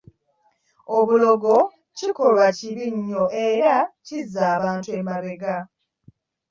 Obulogo kikolwa kibi nnyo era kizza abantu emabega.